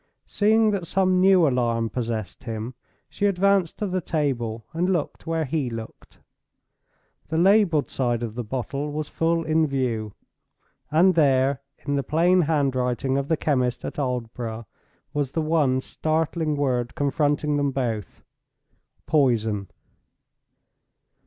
Seeing that some new alarm possessed him, she advanced to the table, and looked where he looked. The labeled side of the bottle was full in view; and there, in the plain handwriting of the chemist at Aldborough, was the one startling word confronting them both—"Poison."